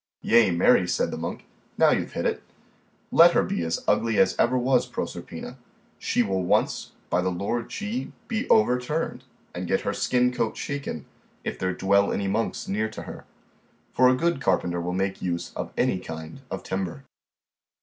Yea, marry, said the monk, now you have hit it. Let her be as ugly as ever was Proserpina, she will once, by the Lord G , be overturned, and get her skin coat shaken, if there dwell any monks near to her; for a good carpenter will make use of any kind of timber.